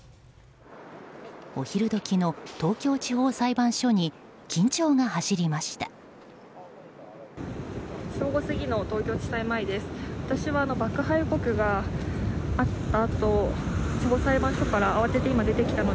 お昼時の東京地方裁判所に緊張が走りました。